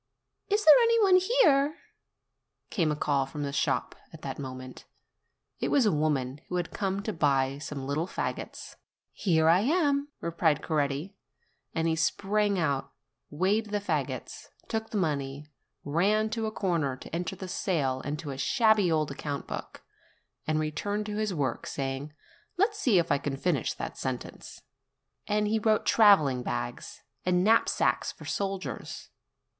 "Is there any one here?" came a call from the shop at that moment. It was a woman who had come to buy some little fagots. "Here I am!" replied Coretti; and he sprang out, weighed the fagots, took the money, ran to a corner to enter the sale in a shabby old account book, and re turned to his work, saying, "Let's see if I can finish that sentence." And he wrote, travelling bags, and knapsacks for soldiers.